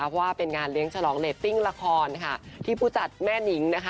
เพราะว่าเป็นงานเลี้ยงฉลองเรตติ้งละครค่ะที่ผู้จัดแม่นิงนะคะ